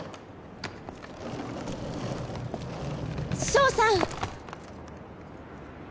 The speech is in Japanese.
翔さん！